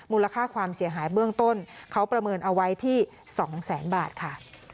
มูลค่าความเสียหายเบื้องต้นเขาประเมินเอาไว้ที่๒แสนบาทค่ะ